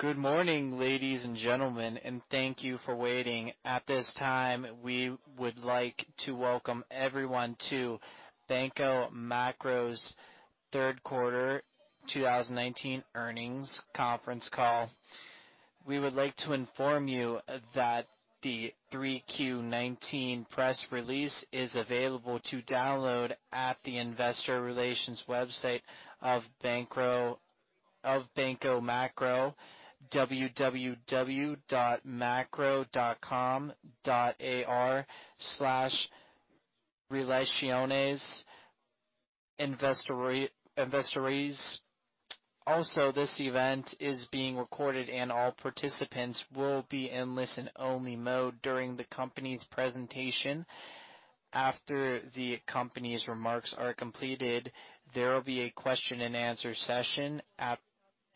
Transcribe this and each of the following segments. Good morning, ladies and gentlemen, and thank you for waiting. At this time, we would like to welcome everyone to Banco Macro's third quarter 2019 earnings conference call. We would like to inform you that the 3Q19 press release is available to download at the investor relations website of Banco Macro, www.macro.com.ar/relaciones-inversores. This event is being recorded and all participants will be in listen-only mode during the company's presentation. After the company's remarks are completed, there will be a question and answer session. At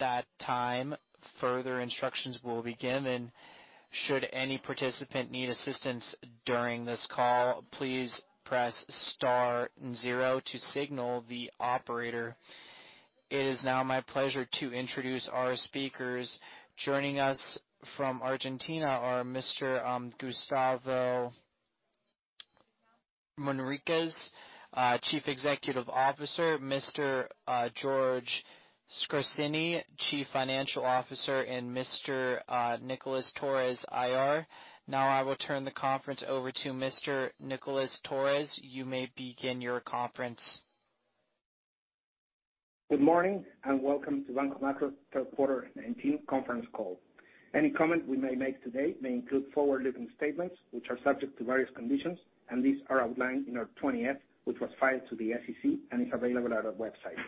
that time, further instructions will be given. Should any participant need assistance during this call, please press star and zero to signal the operator. It is now my pleasure to introduce our speakers. Joining us from Argentina are Mr. Gustavo Manriquez, Chief Executive Officer, Mr. Jorge Scarinci, Chief Financial Officer, and Mr. Nicolas Torres, IR. Now I will turn the conference over to Mr. Nicolas Torres. You may begin your conference. Good morning and welcome to Banco Macro third quarter '19 conference call. Any comment we may make today may include forward-looking statements, which are subject to various conditions, and these are outlined in our 20-F, which was filed to the SEC and is available at our website.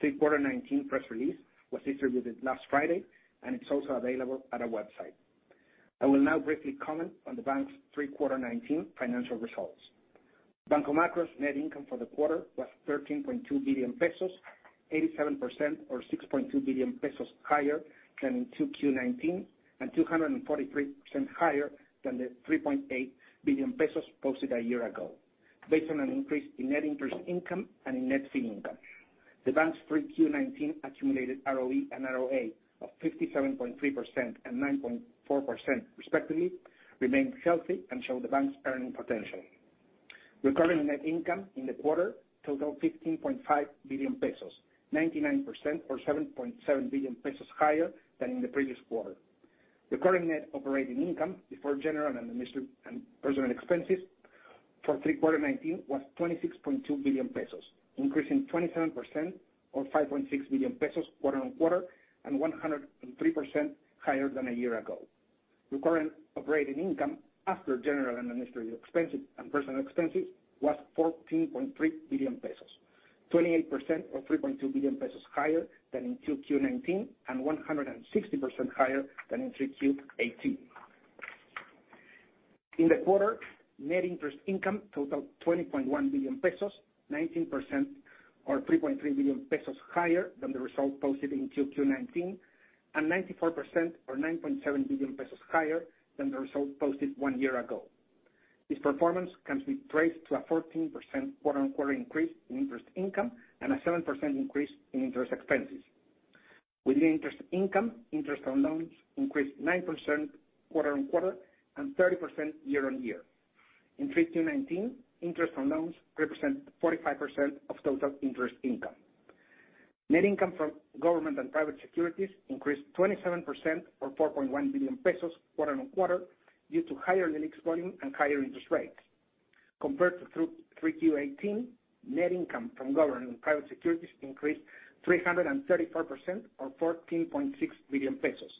Third quarter '19 press release was distributed last Friday, and it's also available at our website. I will now briefly comment on the bank's 3Q19 financial results. Banco Macro's net income for the quarter was 13.2 billion pesos, 87% or 6.2 billion pesos higher than in 2Q19, and 243% higher than the 3.8 billion pesos posted a year ago, based on an increase in net interest income and in net fee income. The bank's 3Q19 accumulated ROE and ROA of 57.3% and 9.4% respectively, remain healthy and show the bank's earning potential. Recovering net income in the quarter totaled 15.5 billion pesos, 99% or 7.7 billion pesos higher than in the previous quarter. Recurrent net operating income before general and administrative and personal expenses for 3Q19 was 26.2 billion pesos, increasing 27% or 5.6 billion pesos quarter-on-quarter and 103% higher than a year ago. Recurrent operating income after general and administrative expenses and personal expenses was 14.3 billion pesos, 28% or 3.2 billion pesos higher than in 2Q19 and 160% higher than in 3Q18. In the quarter, net interest income totaled 20.1 billion pesos, 19% or 3.3 billion pesos higher than the result posted in 2Q19, and 94% or 9.7 billion pesos higher than the result posted one year ago. This performance can be traced to a 14% quarter-on-quarter increase in interest income and a 7% increase in interest expenses. Within interest income, interest on loans increased 9% quarter-on-quarter and 30% year-on-year. In 3Q19, interest on loans represent 45% of total interest income. Net income from government and private securities increased 27% or 4.1 billion pesos quarter-on-quarter due to higher release volume and higher interest rates. Compared to 3Q18, net income from government and private securities increased 334% or 14.6 billion pesos.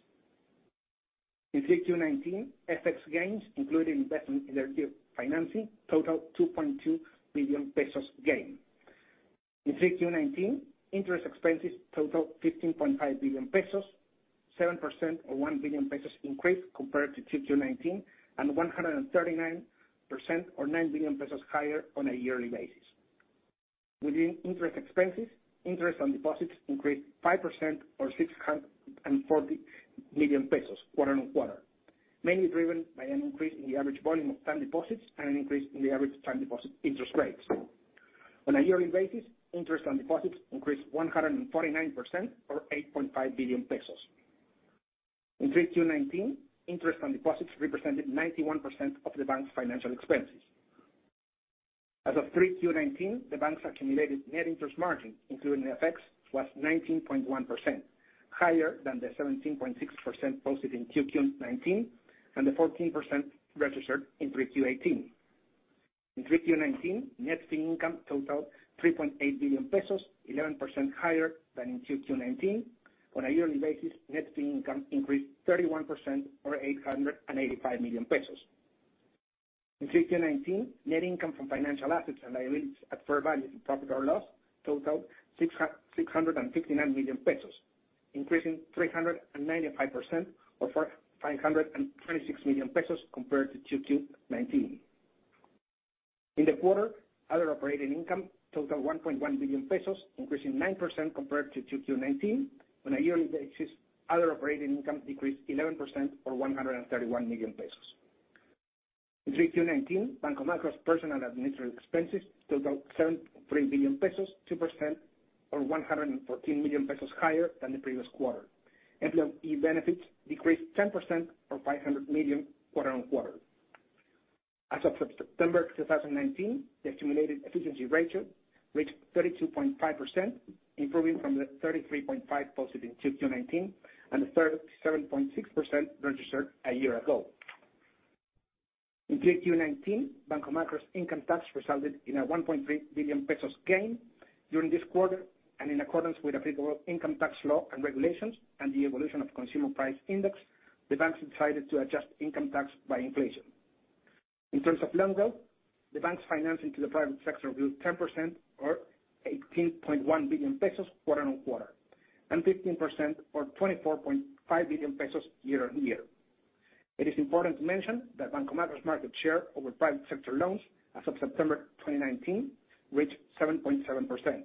In 3Q19, FX gains including investment in their financing totaled 2.2 billion pesos gain. In 3Q19, interest expenses totaled 15.5 billion pesos, 7% or 1 billion pesos increase compared to 2Q19 and 139% or 9 billion pesos higher on a yearly basis. Within interest expenses, interest on deposits increased 5% or 640 million pesos quarter-on-quarter, mainly driven by an increase in the average volume of time deposits and an increase in the average time deposit interest rates. On a yearly basis, interest on deposits increased 149% or 8.5 billion pesos. In 3Q19, interest on deposits represented 91% of the bank's financial expenses. As of 3Q19, the bank's accumulated net interest margin, including FX, was 19.1%, higher than the 17.6% posted in 2Q19 and the 14% registered in 3Q18. In 3Q19, net fee income totaled 3.8 billion pesos, 11% higher than in 2Q19. On a yearly basis, net fee income increased 31% or 885 million pesos. In 3Q19, net income from financial assets and liabilities at fair value to profit or loss totaled 659 million pesos, increasing 395% or 526 million pesos compared to 2Q19. In the quarter, other operating income totaled 1.1 billion pesos, increasing 9% compared to 2Q19. On a yearly basis, other operating income decreased 11% or 131 million pesos. In 3Q19, Banco Macro's personal administrative expenses total 7.3 billion pesos, 2% or 114 million pesos higher than the previous quarter. Employee benefits decreased 10% or 500 million quarter-on-quarter. As of September 2019, the accumulated efficiency ratio reached 32.5%, improving from the 33.5% posted in 2Q19 and the 37.6% registered a year ago. In 3Q19, Banco Macro's income tax resulted in a 1.3 billion pesos gain. During this quarter, in accordance with applicable income tax law and regulations and the evolution of consumer price index, the bank decided to adjust income tax by inflation. In terms of loan growth, the bank's financing to the private sector grew 10% or 18.1 billion pesos quarter-on-quarter, 15% or 24.5 billion pesos year-on-year. It is important to mention that Banco Macro's market share over private sector loans as of September 2019 reached 7.7%.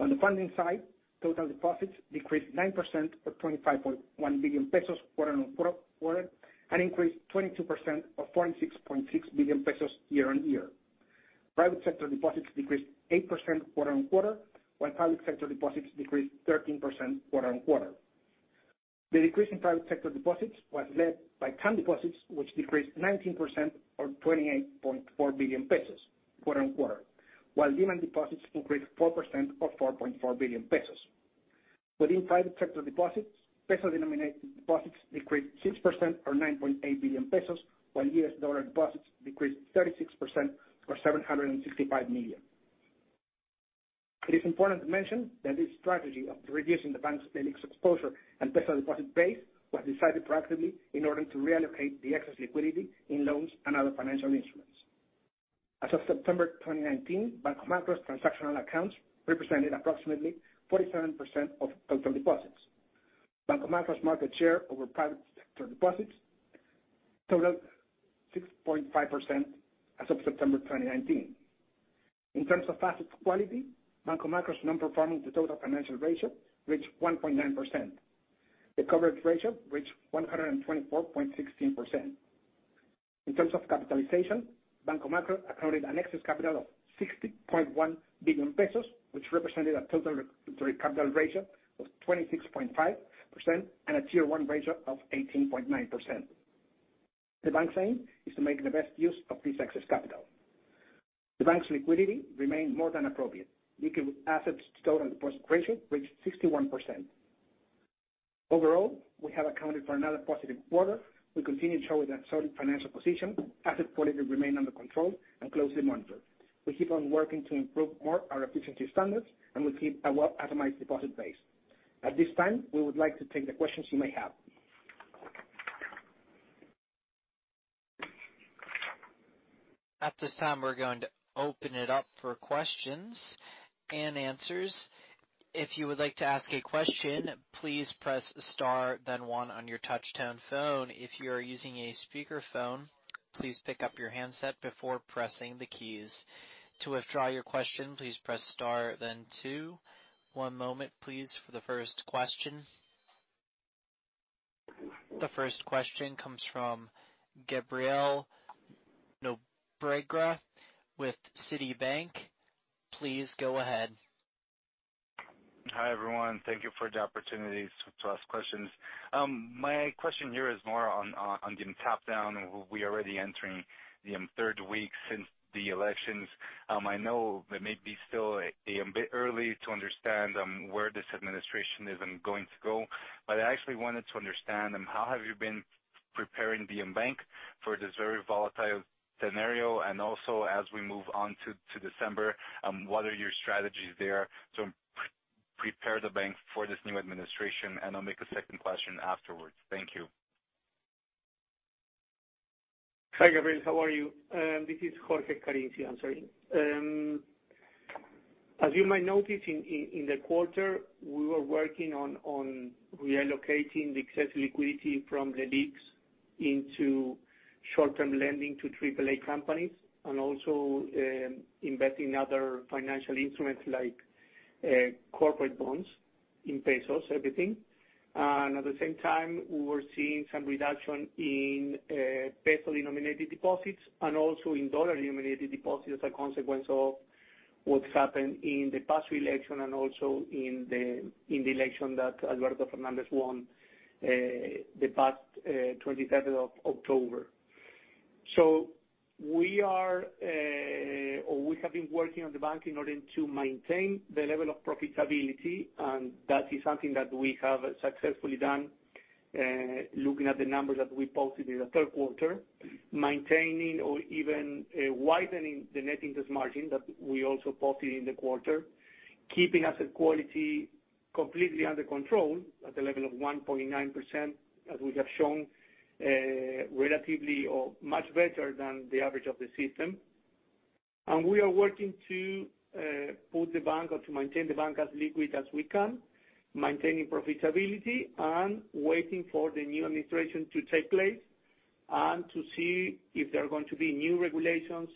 On the funding side, total deposits decreased 9% or 25.1 billion pesos quarter-on-quarter and increased 22% or 46.6 billion pesos year-on-year. Private sector deposits decreased 8% quarter-on-quarter, while public sector deposits decreased 13% quarter-on-quarter. The decrease in private sector deposits was led by term deposits, which decreased 19% or 28.4 billion pesos quarter-on-quarter, while demand deposits increased 4% or 4.4 billion pesos. Within private sector deposits, peso-denominated deposits decreased 6% or 9.8 billion pesos, while US dollar deposits decreased 36% or $765 million. It is important to mention that this strategy of reducing the bank's exposure and peso deposit base was decided proactively in order to reallocate the excess liquidity in loans and other financial instruments. As of September 2019, Banco Macro's transactional accounts represented approximately 47% of total deposits. Banco Macro's market share over private sector deposits totaled 6.5% as of September 2019. In terms of asset quality, Banco Macro's non-performing to total financial ratio reached 1.9%. The coverage ratio reached 124.16%. In terms of capitalization, Banco Macro accorded an excess capital of 60.1 billion pesos, which represented a total regulatory capital ratio of 26.5% and a Tier 1 ratio of 18.9%. The bank's aim is to make the best use of this excess capital. The bank's liquidity remained more than appropriate. Liquidity assets to total deposit ratio reached 61%. Overall, we have accounted for another positive quarter. We continue to show a solid financial position. Asset quality remain under control and closely monitored. We keep on working to improve more our efficiency standards, and we keep a well-itemized deposit base. At this time, we would like to take the questions you may have. At this time, we're going to open it up for questions and answers. If you would like to ask a question, please press star then one on your touch-tone phone. If you are using a speakerphone, please pick up your handset before pressing the keys. To withdraw your question, please press star then two. One moment, please, for the first question. The first question comes from Gabriel Nobrega with Citibank. Please go ahead. Hi, everyone. Thank you for the opportunity to ask questions. My question here is more on the top-down. We are already entering the third week since the elections. I know it may be still a bit early to understand where this administration is going to go, but I actually wanted to understand, how have you been preparing the bank for this very volatile scenario? Also, as we move on to December, what are your strategies there to prepare the bank for this new administration? I'll make a second question afterwards. Thank you. Hi, Gabriel. How are you? This is Jorge Scarinci answering. As you might notice in the quarter, we were working on reallocating the excess liquidity from the LELIQs into short-term lending to AAA companies and also investing in other financial instruments like corporate bonds in pesos, everything. At the same time, we were seeing some reduction in peso-denominated deposits and also in dollar-denominated deposits as a consequence of what happened in the past election and also in the election that Alberto Fernández won the past, 27th of October. We have been working on the bank in order to maintain the level of profitability, and that is something that we have successfully done, looking at the numbers that we posted in the third quarter, maintaining or even widening the net interest margin that we also posted in the quarter, keeping asset quality completely under control at the level of 1.9%, as we have shown, relatively or much better than the average of the system. We are working to put the bank or to maintain the bank as liquid as we can, maintaining profitability and waiting for the new administration to take place and to see if there are going to be new regulations.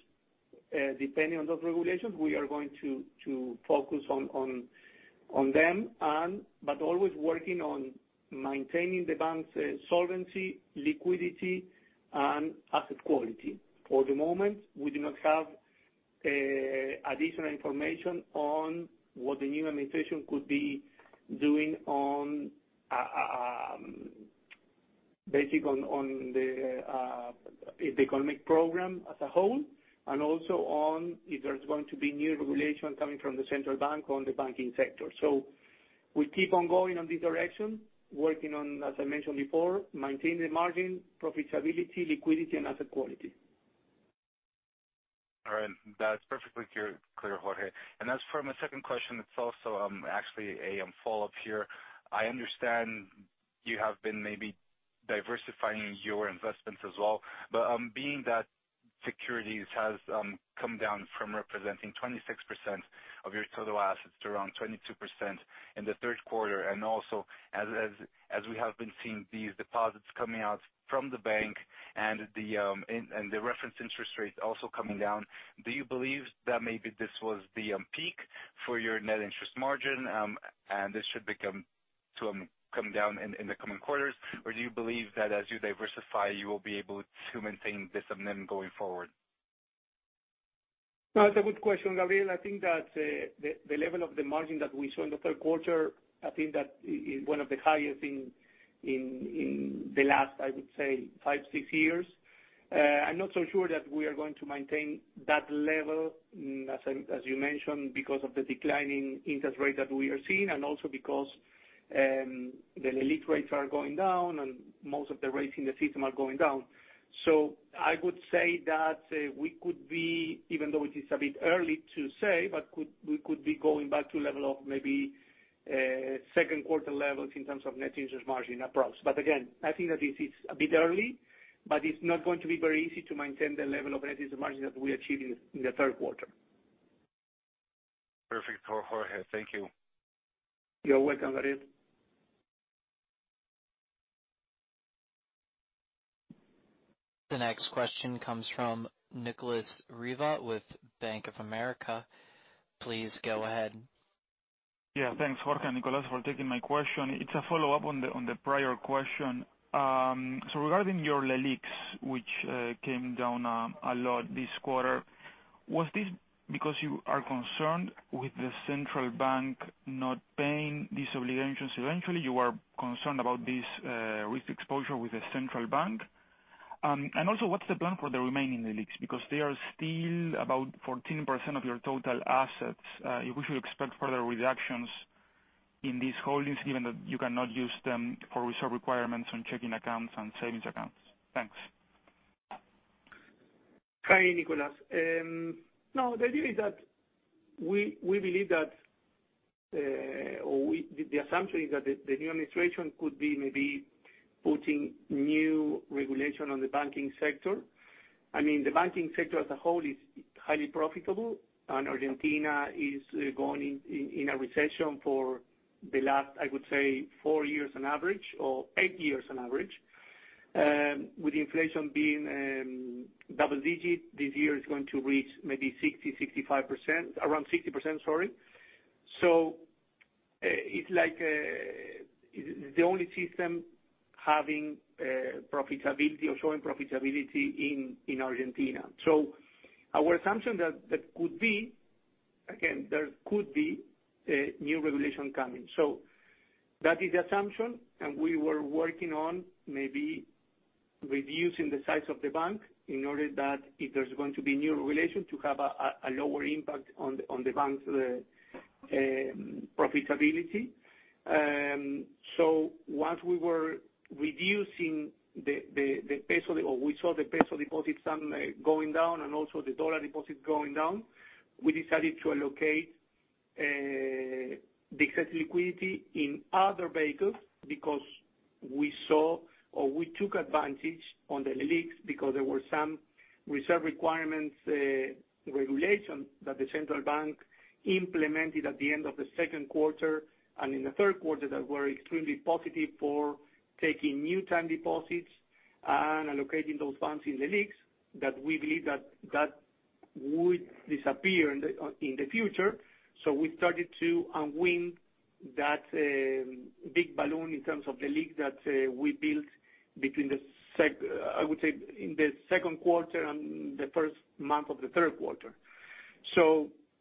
Depending on those regulations, we are going to focus on them, but always working on maintaining the bank's solvency, liquidity, and asset quality. For the moment, we do not have additional information on what the new administration could be doing on the economic program as a whole, and also on if there's going to be new regulations coming from the central bank on the banking sector. We keep on going on this direction, working on, as I mentioned before, maintain the margin profitability, liquidity, and asset quality. All right. That's perfectly clear, Jorge. As for my second question, it's also actually a follow-up here. I understand you have been maybe diversifying your investments as well, but being that securities has come down from representing 26% of your total assets to around 22% in the third quarter, and also as we have been seeing these deposits coming out from the bank and the reference interest rates also coming down, do you believe that maybe this was the peak for your net interest margin, and this should come down in the coming quarters? Do you believe that as you diversify, you will be able to maintain this momentum going forward? No, it's a good question, Gabriel. I think that the level of the margin that we saw in the third quarter, I think that is one of the highest in the last, I would say five, six years. I'm not so sure that we are going to maintain that level, as you mentioned, because of the declining interest rate that we are seeing and also because the LELIQ rates are going down and most of the rates in the system are going down. I would say that we could be, even though it is a bit early to say, but we could be going back to level of maybe second quarter levels in terms of net interest margin, approx. Again, I think that this is a bit early, but it's not going to be very easy to maintain the level of net interest margin that we achieved in the third quarter. Perfect, Jorge. Thank you. You're welcome, Gabriel. The next question comes from Nicolas Riva with Bank of America. Please go ahead. Yeah. Thanks, Jorge and Nicolas for taking my question. It's a follow-up on the prior question. Regarding your LELIQs, which came down a lot this quarter, was this because you are concerned with the Central Bank not paying these obligations eventually, you are concerned about this risk exposure with the Central Bank? Also what's the plan for the remaining LELIQs? Because they are still about 14% of your total assets. We should expect further reductions in these holdings, given that you cannot use them for reserve requirements on checking accounts and savings accounts. Thanks. Hi, Nicolas. No, the idea is that we believe that, or the assumption is that the new administration could be maybe putting new regulation on the banking sector. The banking sector as a whole is highly profitable, and Argentina is going in a recession for the last, I would say eight years on average. With inflation being double digit, this year is going to reach maybe around 60%. It's like the only system having profitability or showing profitability in Argentina. Our assumption that could be, again, there could be a new regulation coming. That is the assumption, and we were working on maybe reducing the size of the bank in order that if there's going to be new regulation, to have a lower impact on the bank's profitability. Once we saw the peso deposit sum going down and also the dollar deposit going down, we decided to allocate the excess liquidity in other vehicles because we saw or we took advantage on the LELIQs because there were some reserve requirements, regulations that the central bank implemented at the end of the second quarter and in the third quarter that were extremely positive for taking new time deposits and allocating those funds in the LELIQs that we believe that would disappear in the future. We started to unwind that big balloon in terms of the LELIQs that we built, I would say, in the second quarter and the first month of the third quarter.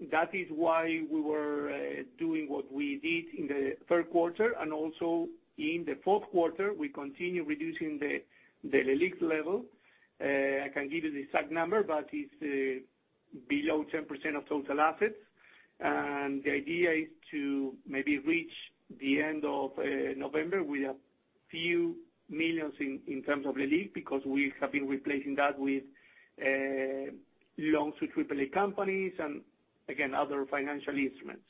That is why we were doing what we did in the third quarter, and also in the fourth quarter, we continue reducing the LELIQs level. I can give you the exact number, but it's below 10% of total assets. The idea is to maybe reach the end of November with a few million in terms of LELIQs, because we have been replacing that with loans to AAA companies and again, other financial instruments.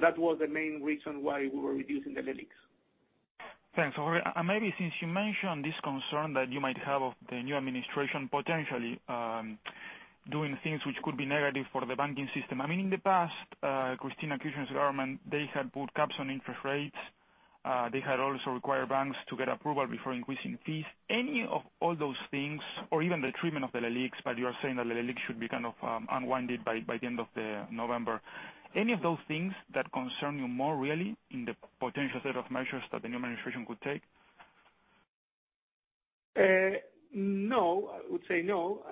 That was the main reason why we were reducing the LELIQs. Thanks, Jorge. Maybe since you mentioned this concern that you might have of the new administration potentially doing things which could be negative for the banking system. In the past, Cristina Kirchner's government, they had put caps on interest rates. They had also required banks to get approval before increasing fees. Any of all those things, or even the treatment of the LELIQs, but you are saying that the LELIQs should be kind of, unwound by the end of November. Any of those things that concern you more, really, in the potential set of measures that the new administration could take? No. I would say no.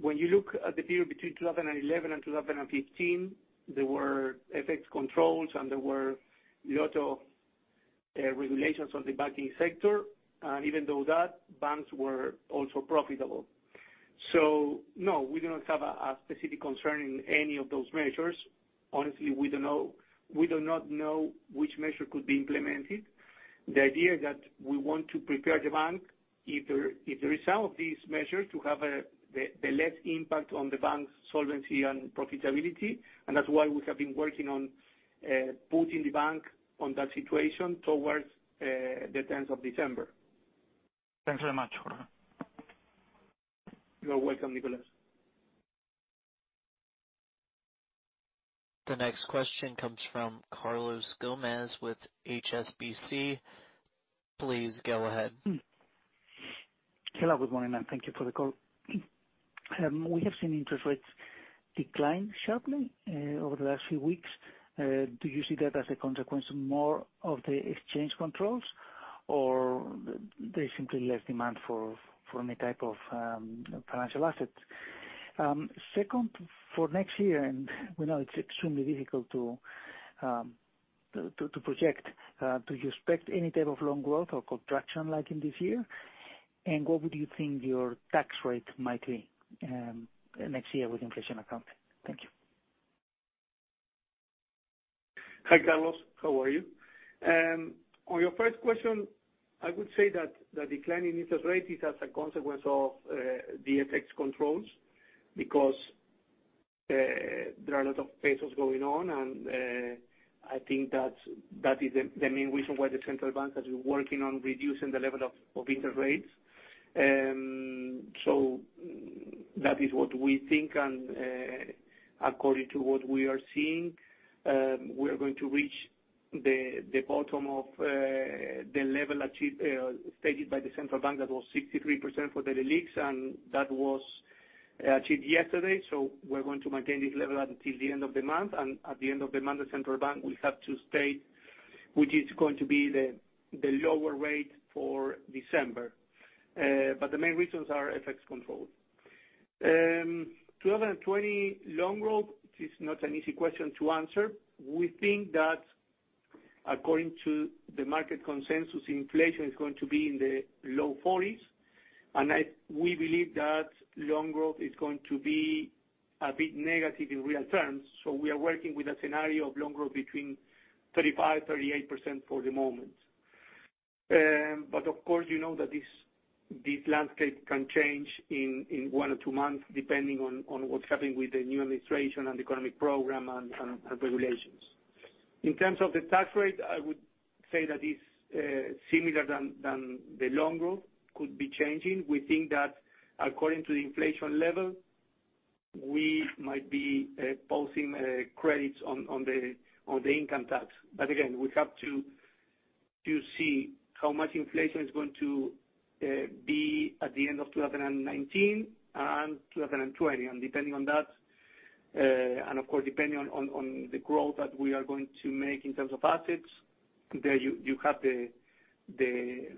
When you look at the period between 2011 and 2015, there were FX controls and there were a lot of regulations on the banking sector. Even though that, banks were also profitable. No, we do not have a specific concern in any of those measures. Honestly, we do not know which measure could be implemented. The idea that we want to prepare the bank, if the result of these measures, to have the less impact on the bank's solvency and profitability, and that's why we have been working on putting the bank on that situation towards the 10th of December. Thanks very much, Jorge. You're welcome, Nicolas. The next question comes from Carlos Gomez-Lopez with HSBC. Please go ahead. Hello, good morning, and thank you for the call. We have seen interest rates decline sharply over the last few weeks. Do you see that as a consequence more of the FX controls, or there's simply less demand for any type of financial assets? Second, for next year, and we know it's extremely difficult to project, do you expect any type of loan growth or contraction like in this year? What would you think your tax rate might be next year with inflation accounted? Thank you. Hi, Carlos. How are you? On your first question, I would say that the decline in interest rate is as a consequence of the FX controls because there are a lot of pesos going on, and I think that is the main reason why the Central Bank has been working on reducing the level of interest rates. That is what we think, and according to what we are seeing, we are going to reach the bottom of the level stated by the Central Bank. That was 63% for the LELIQs, and that was achieved yesterday. We're going to maintain this level until the end of the month, and at the end of the month, the Central Bank will have to state which is going to be the lower rate for December. The main reasons are FX control. 2020 loan growth is not an easy question to answer. We think that according to the market consensus, inflation is going to be in the low 40s, and we believe that loan growth is going to be a bit negative in real terms. We are working with a scenario of loan growth between 35%-38% for the moment. Of course, you know that this landscape can change in one or two months, depending on what's happening with the new administration and economic program and regulations. In terms of the tax rate, I would say that is similar than the loan growth, could be changing. We think that according to the inflation level, we might be posting credits on the income tax. Again, we have to see how much inflation is going to be at the end of 2019 and 2020. Depending on that, and of course, depending on the growth that we are going to make in terms of assets, there you have the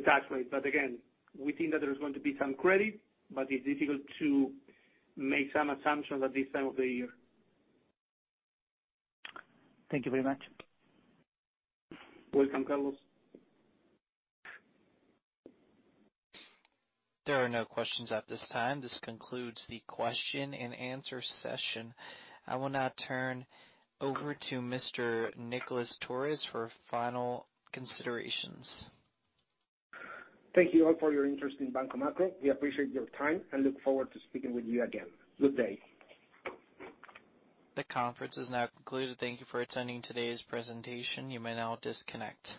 tax rate. Again, we think that there is going to be some credit. It's difficult to make some assumptions at this time of the year. Thank you very much. Welcome, Carlos. There are no questions at this time. This concludes the question and answer session. I will now turn over to Mr. Nicolas Torres for final considerations. Thank you all for your interest in Banco Macro. We appreciate your time and look forward to speaking with you again. Good day. The conference is now concluded. Thank you for attending today's presentation. You may now disconnect.